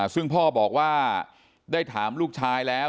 ซึ่งพ่อบอกว่าได้ถามลูกชายแล้ว